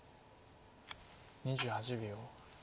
２８秒。